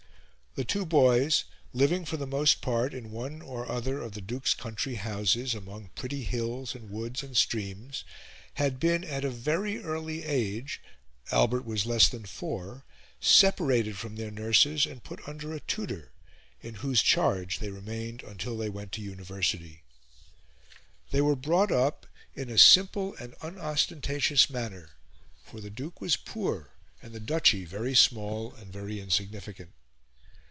The two boys, living for the most part in one or other of the Duke's country houses, among pretty hills and woods and streams, had been at a very early age Albert was less than four separated from their nurses and put under a tutor, in whose charge they remained until they went to the University. They were brought up in a simple and unostentatious manner, for the Duke was poor and the duchy very small and very insignificant.